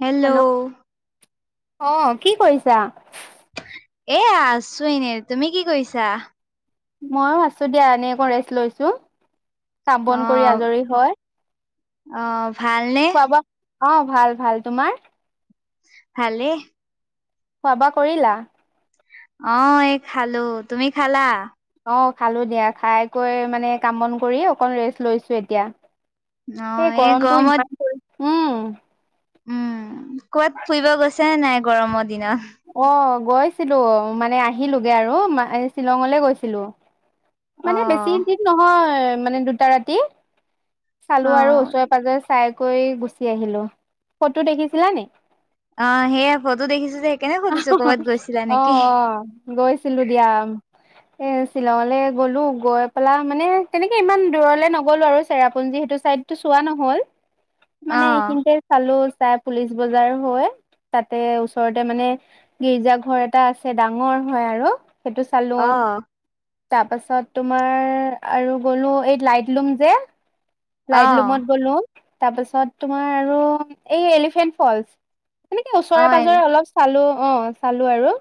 Hello অ কি কৰিছা এ আছো এনেই তুমি কি কৰিছা ময়ো আছো দিয়া এনেই অকণ ৰেষ্ট লৈছো কাম অ বন কৰি আজৰি হয় অ ভালনে খোৱা বোৱা অ ভাল ভাল তোমাৰ ভালে খোৱা বোৱা কৰিলা অ এই খালো তুমি খালা অ খালো দিয়া খাই বৈ মানে কাম বন কৰি অকন ৰেষ্ট লৈছো এতিয়া অ এই গৰমটো গৰমত ইমান পৰিছে উম উম কৰবাত ফুৰিব গৈছিল ছে নাই গৰমৰ দিনত অ গৈছিলো মানে আহিলোগে আৰু মা শ্বিলঙলে গৈছিলো অ মানে বেছি দিন নহয় মানে দুটা ৰাতি অ চালো আৰু ওচৰে পাজৰে চাই কৈ গুচি আহিলো ফটো দেখিছিলা নে অ সেয়া ফটো দেখিছো দে অ অ অ গৈছিলো দিয়া এ শ্বিলঙলৈ গলো গৈ পেলাই মানে তেনেকে ইমান দূৰলে নগলো আৰু চেৰাপুঞ্জী সেইটো চাইডটো চোৱা নহল অ মানে এইখিনিতে চালো চাই পুলিচ বজাৰ হৈ তাতে ওচৰতে মানে গীৰ্জা ঘৰ এটা আছে ডাঙৰ হয় আৰু সেইটো চালো অ তাৰপাছত তোমাৰ আৰু গ'লো এই লাইট লুম যে অ লাইডলুমত গলো তাৰপাছত তোমাৰ আৰু এই এলিফেন্ট ফলচ তেনেকে অ ওচৰে পাজৰে অলপ চালো অহ চালো আৰু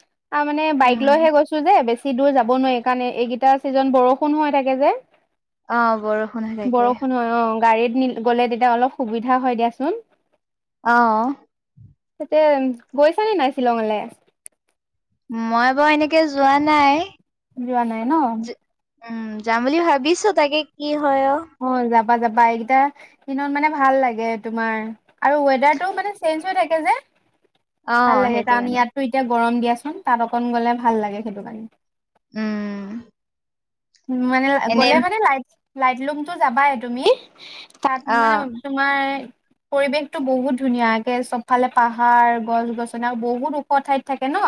তাৰমানে বাইক উম লৈহে গৈছো যে বেছি বেছি দূৰ যাব নোৱাৰি কাৰণে এইকেইটা ছিজন বৰষুণ হৈ থাকে যে অহ বৰ বৰষুণ হয় অহ গাড়ীত গ'লে তেতিয়া অলপ সুবিধা হয় দিয়াচোন। অহ তাতে গৈছানে নাই শ্বিলঙলৈ? মই বাৰু এনেকে যোৱা নাই যোৱা নাই নহ? উম যাম বুলি ভাবিছ তাকে কি হয় অহ অহ যাবা এইকেইটাদিনত মানে ভাল লাগে তোমাৰ আৰু ওৱাদাৰটো মানে চেজ হৈ থাকে যে ভাল অ', লাগে সেইটো কাৰণ কাৰণে ইয়াতো এতিয়া গৰম দিয়াচোন তাত অকণ গ'লে ভাল লাগে সেইটো কাৰণে। উম উম মানে এনে গ'লে মানে লাইট লাইট লুংতটো যাবাই তুমি। তাত মানে অ', তোমাৰ পৰিৱেশতটো বহুত ধুনীয়া একে চবফালে পাহাৰ গছ -গছনি আৰু বহুত ওখ ঠাইত থাকে নহ।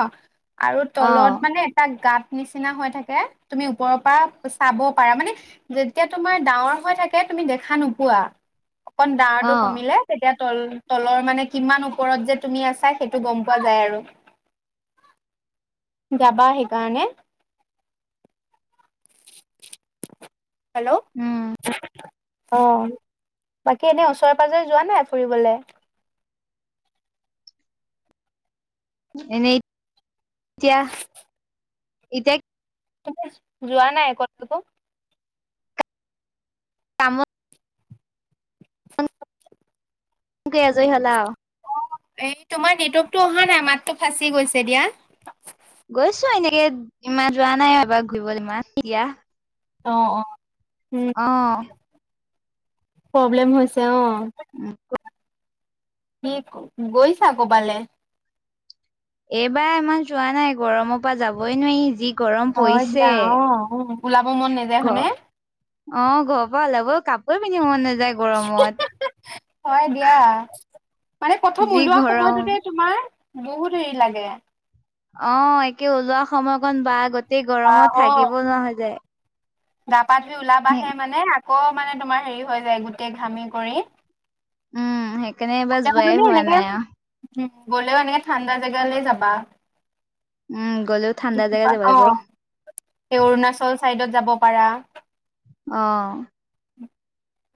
আৰু তলত অ', মানে এটা গাত নিচিনা হৈ থাকে তুমি ওপৰৰ বাহ চাব পাৰা মানে যেতিয়া তোমাৰ ডাঙৰ হৈ থাকে তুমি দেখা নোপোৱা। অকন জাৰকো অ', কমিলে তেতিয়া তল তলৰ মানে কিমান ওপৰত যে তুমি আছা সেইটো গম পোৱা যায় আৰু যাবা সেইকাৰণে। উম অহ বাকী এনে ওচৰে পাজৰে যোৱা নাই ফুৰিবলে? এনেই এতিয়া এতিয়া তুমি যোৱা নাই কতটো? কামত [unintelligible] কেহ আজৰি হলাও এই তোমাৰ নেটৱৰ্কতটো অহা নাই মাতটো ফাঁচি গৈছে দিয়া গৈছো এনেকে ইমান যোৱা নাই এবাৰ ঘূৰিবলৈ এতিয়া অহ অহ অহ প্ৰব্লেম হৈছে অহ উম। কি গৈছা কৰ'বালৈ এইবাৰ ইমান যোৱা নাই গৰমৰ পৰা যাবই নোৱাৰি যি গৰম হয় পৰিছে দিয়া অ অ ওলাব মন নাযায় ঘ হয়নে অ ঘৰৰ প ওলাব কাপোৰ পিন্ধিব মন নাযায় গৰমত হয় দিয়া মানে প্ৰথম যি ওলোৱা গৰম সময়টোতে তোমাৰ বহুত হেৰি লাগে অ একে ওলোৱা সময়কণ বা গতি গোটেই গৰমত থাকিব নোৱাৰা হৈ‌ যায়। [unintelligible] গা-পা ধুই ওলাবাহে মানে আকৌ মানে তোমাৰ হেৰি হৈ যায়! গোটেই ঘামি কৰি উম সেইকাৰণে এইবাৰ মানে যোৱাই হোৱা এনেকে নাই আও। উম, গ'লেও এনেকে ঠাণ্ডা জেগালে যাবা। উম, গ'লেও ঠাণ্ডা জেগা [unintelligible] যাব লাগিব অ' সেই অৰুণাচল চাইডত যাব পাৰা। অ',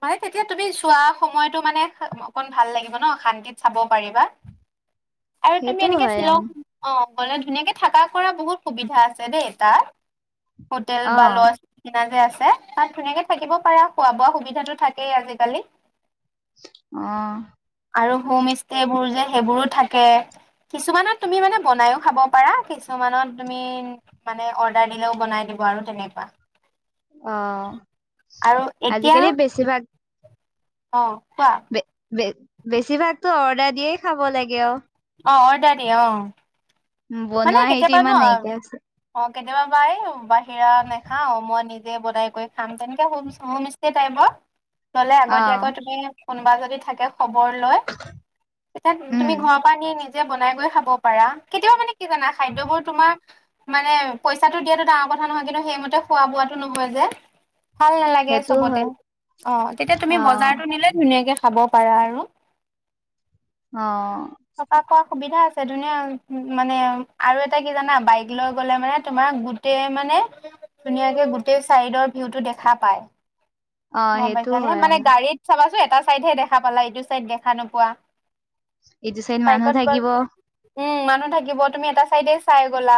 মানে তেতিয়া তুমি চোৱা, সময়টো মানে অকণ ভাল লাগিব [unintelligible] ন' শান্তিত চাব পাৰিবা। আৰু তুমি সেইটো এনেকে হয় শ্বিলং, উম, অ'। ক'লে ধুনীয়াকে থাকা কৰা বহুত সুবিধা আছে দেই! তাত। হোটেল বা অ', লজ নিচিনা যে আছে। [unintelligible] তাত ধুনীয়াকে থাকিব পাৰা, খোৱা-বোৱা সুবিধাটো থাকেই আজিকালি। অ', আৰু হোমষ্টেবোৰ যে সেইবোৰো থাকে। কিছুমানত তুমি মানে বনায়ো খাব পাৰা, কিছুমানত তুমি মানে অৰ্ডাৰ দিলেও বনাই দিব আৰু তেনেকুৱা। অহ। আৰু এতিয়া অ' কোৱা। বে বে বেছিভাগতো অৰ্ডাৰ দিয়েই খাব লাগে অ'। অ' অৰ্ডাৰ দি অ' [unintelligible] মানে বনোৱা হেইটো কেতিয়াবা ন ইমান নাইকিয়া হৈছে। অ কেতিয়াবা বাই, বাই হিৰা নাখাও মই নি বনাই কৰি খাম তেনেকে হ হোমষ্টে টাইপত। তলে আগতে অ', আকৌ তুমি কোনোবা যদি থাকে। খবৰ লয় পি উম, তুমি ঘৰৰ পৰা নি নিজ বনাই গৈ খাব পাৰা, কেতিয়াবা মানে কি জানা খাদ্য বোৰ তোমাৰ মানে পইচাটো দিয়াটো ডাঙৰ কথা নহয় কিন্তু সেইমতে খোৱা বোৱাটো নহয় যে ভাল নালাগে সেইটোও চবতে হয় অ তেতিয়া তুমি অ', বজাৰতো নিলে ধুনীয়াকে খাব পাৰা আৰু অ থকা খোৱা সুবিধা আছে ধুনীয়া উ মানে আৰু এটা কি জানা বাইক লৈ গ'লে মানে তোমাৰ গোট মানে ধুনীয়াকে গোটেই চাইডৰ ভিউটো দেখা পায় অ', গম সেইটো পাইছা নে হয় মানে উম, গাড়ীত চাবাচো এটা চাইডহে দেখা পালা এইটো চাইদ দেখা নোপোৱা। এইটো চন মানুহ থাকিব উ মানুহ থাকে থাকিব তুমি এটা চাইডে চাই গ'লা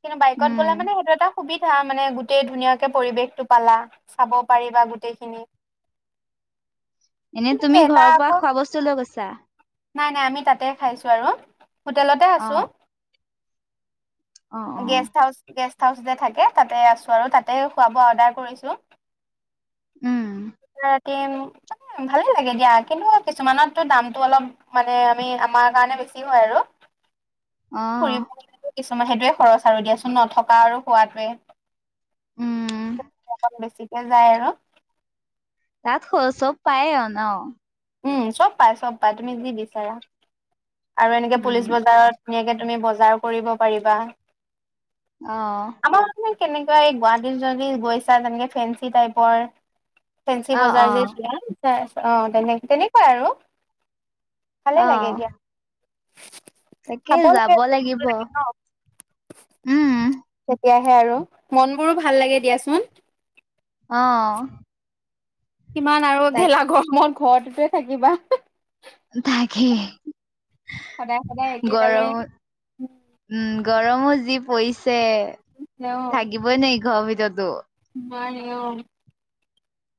কিন্তু বাইকত উম, গ'লে মানে সেইটো এটা সুবিধা মানে গোটেই ধুনীয়াকে পৰিৱেশটো পালা চাব পাৰিবা গোটেইখিনি এনে কিন্তু তুমি সেই এটা ঘৰৰ পৰা আকৌ খোৱা বস্তু লৈ গৈছা নাই নাই আমি তাতে খাইছো আৰু হোটেলতে অ আছো অ', অ', গেষ্ট হাউচ গে হাউচতে থাকে তাতে আছোঁ আৰু তাতে খোৱ বোৱা অৰ্ডাৰ কৰিছোঁ উম, অ ভালেই লাগে দিয়া কিন্তু কিছুমানতো দামটো অলপ মানে আমি আমাৰ কাৰণে বেছি হয় আৰু আহ ফুৰিব কিছুমান সেইটোৱে খৰচ আৰু দিয়াচোন নথকা আৰু হোৱাটোৱে উম বেছিকে যায় আৰু তাত চব পায় অ ন উম চব পাই চব পাই তুমি যি বিচাৰা আৰু এনেকে উম, পুলিচ বজাৰত ধুনীয়াকে তুমি বজাৰ কৰিব পাৰিবা আহ আমাৰ মানে কেনেকুৱা এই গুৱাহাটীত যদি গৈছা তেনেকে ফেঞ্চি টাইপৰ ফেন্ঞ্চি অ', বজাৰ অ', যেছিল অ তেনে তেনেকুৱাই আৰু ভালে লাগে অ', দিয়া তাকে চাব যাব লাগে লাগিব, কৰিব লাগে ন উম। তেতিয়াহে আৰু মন বোৰো ভাল লাগে দিয়াচোন। অহ। কিমান আৰু ভেলাঘৰ ম ঘৰটোতে থাকিবা। তাকে সদায় সদায় একেডালে অ গৰম উম, গৰম। মোৰ যি পৰিছ থাকিবই নাই ঘৰ ভিতৰ [inaudible] মা'ই অ'।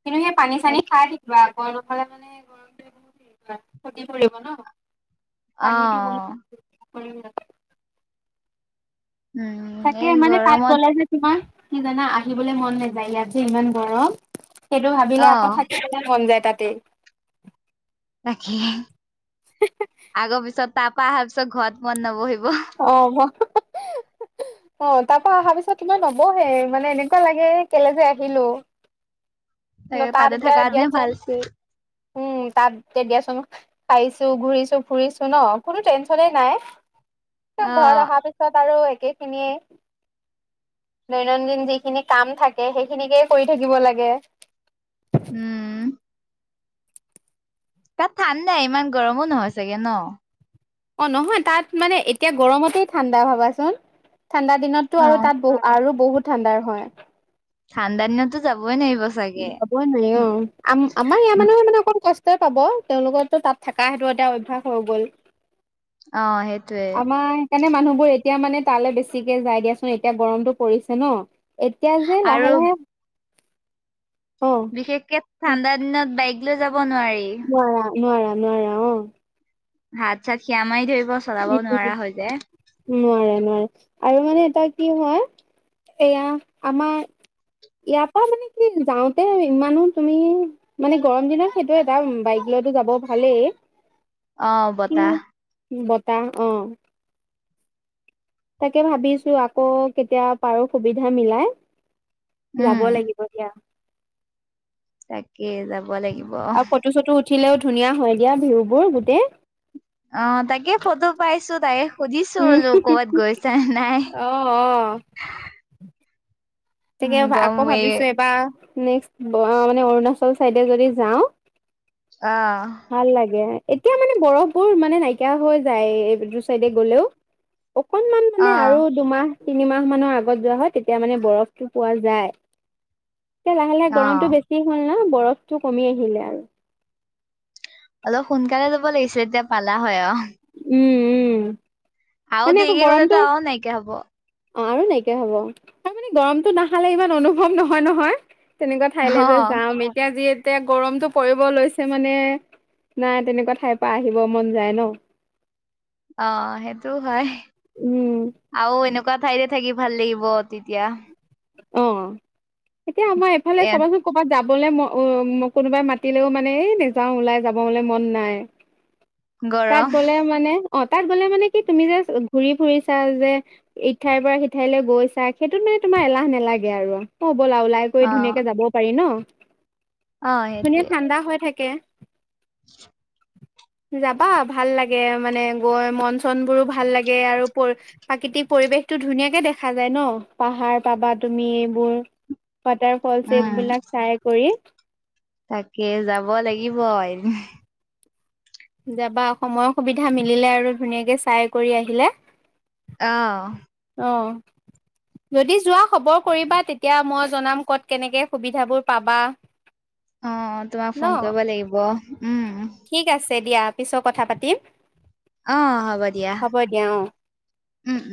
কিন্তু সেই পানী-চানী তাক খাই থাকিবা। গৰম হ'লে মানে গৰমটোৱে বহুত হেৰি কৰে ক্ষতি কৰিব ন। পানীটো অ', বহুত। [inaudible] উম, তাকে এই মানে কাত গৰমত গ'লে যে তোমাৰ। কি জানা আহিবলৈ মন নাযায়। ইয়াত যে ইমান গৰম। সেইটো ভাবিলে আকৌ অ', থাকিবলে মন যায়। তাতেই। তাকে, আগৰ পিছত তাৰপা অহাৰ পিছত ঘৰত মন নবহিব। অ', ম অ', তাৰপা অহা পিছত তোমই নবহে মানে এনেকুৱা লাগে কেলে যে আহিলোঁ। এ তাতে থকাহেঁতেন ভাল আছিল। উম' তাত এতিয়া দিয়াচোন খাইছোঁ, ঘূৰিছোঁ, ফুৰিছোঁ ন কোনো টেনচনেই নাই। ত, ঘৰ অ', অহাৰ পিছত আৰু এইখিনিয়ে দৈনন্দিন যিখিনি কাম থাকে সেইখিনিকেই কৰি থাকিব লাগে। উম'। তাত ঠাণ্ নাই ইমান গৰমো নহয় চাগে ন? অ, নহয় তাত মানে এতিয়া গৰমতেই ঠাণ্ডা ভাবাচোন ঠাণ্ডা দিনতো আৰু অ', তাত বহু আৰু বহুত ঠাণ্ডাৰ হয়। ঠাণ্ডা দিনত টো যাব হবই নাই অ আম আমাৰ ইয় মানহ মানে অকণ কষ্ট পাব তেওঁলোকৰো তাত থকা সেইটো এতিয়া অভ্যাস হৈ গ'ল। অ, সেই আম সকাৰণে মানুহবোৰ এতিয়া মানে তালৈ বেছিকে যায় দিয়াচোন এতিয়া গৰমতটো পৰিছে ন এতিয়া যে আৰু লাহে-লাহে বিশেষকে ঠাণ্ডা দিনত বাইক জা নোৱাৰা-নোৱাৰা। নোৱাৰা ও। হাত ছাত সিয়া মাৰি ধৰি উম নোৱাৰে-নোৱাৰে। আৰু মানে এটা কি হয় এয়া আমাৰ ইয়াৰ পৰা মানে কি যাওঁতে ইমানো তুমি মানে গৰম দিনত সেইটো এটা বাইক লৈতো যাব ভালেই অ বতাহ। কিন্তু বতাহ অ। তাকে ভাবিছো আকৌ কেতিয়া পাৰো সুবিধা মিলাই। উম। যাব লাগিব দিয়া। তাক কে যাব লাগিব। আৰু ফটো চটো উঠিলেও ধুনীয়া হয় দিয়া ভিউবোৰ গোটেই অ তাকে ফটো পাইছো তাই উম সুধিছোলো ক'বাত গৈছা নাই। অ অ তাকে উম, গম আকৌ এই ভাবিছো এবাৰ নেক্স মানে অৰুণাচল চাইডে যদি যাওঁ। অ' ভাল লাগে। এতিয়া মানে বৰফবোৰ মানে নাইকিয়া হৈ যায় এইটো চাইডে গলেও। অকনমান মানে অ' আৰু দুমাহ তিনিমাহ মানৰ আগত যোৱা হয় তেতিয়া মানে বৰফ টো পোৱা যায়। এতিয়া লাহে লাহে অ'। গৰমতটো বেছি হ'ল ন বৰফটো কমি আহিলে আৰু অলপ সোনকালে যাব লাগিছিল এতিয়া পালা হয় অ উম-উম। আও দেৰিকে গলেতো আও নাইকিয়া হব। অ আৰু নাইকিয়া হ'ব তাৰ মানে গৰমতটো নাহালে ইমান অনুভৱ নহয়-নহয়। তেনেকুৱা ঠাইলৈ যে অ' যাম এতিয়া যি এয়া গৰমতটো পৰিব লৈছে মানে নাই তেনেকুৱা ঠাইৰ পৰা আহিব মন যায় ন। অ সেইটো হয়। উম। থকা ঠাইতে থাকি ভাল লাগিব তেতিয়া। অ এতিয়া আমাৰ এইফালে ইয়াত চাবাচোন কৰ'ৰবাত যাব যাবলৈ ম উ কোনোবাই মাতিলেও মানে এই নাযাও ওলাই যাবলে মন নাই তাত গৰম গ'লে মানে অ তাত গ'লে মানে কি তুমি যে ঘূৰি ফুৰিছা যে ইঠাইৰ পৰা সিঠাইলৈ গৈছা সেইটোত মানে তোমাৰ এলাহ নেলাগে আৰু অ ব'লা ওলাই কৰি অ' ধুনীয়াকে যাব পাৰি ন অ' ধুনীয়া সেইটোৱে। ঠাণ্ডা হৈ থাকে কে [unintelligible] যাব পাবা ভাল লাগে মানে গৈ মন চন বোৰো ভাল লাগে আৰু প্ৰাকৃতিক পৰিৱেশতো ধুনীয়াকে দেখা যায় ন পাহাৰ পাবা তুমি এইবোৰ ৱাটাৰ ফলছ উম, এইবিলাক চাই কৰি তাকে যাব লাগিব যাবা সময়ৰ সুবিধা মিলিলে আৰু ধুনীয়াকে চাই কৰি আহিলে আহ অ যদি যোৱা খবৰ কৰিবা তেতিয়া মই জনাম ক'ত কেনেকৈ সুবিধাবোৰ পাবা অ তোমাক ন ফোন কৰিব লাগিব উম, ঠিক আছে দিয়া পিছত কথা পাতিম অ হ'ব দিয়া হ'ব দিয়া অ উম উম